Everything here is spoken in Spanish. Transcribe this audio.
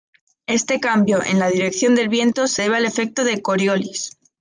Este cambio en la dirección del viento se debe al efecto de Coriolis.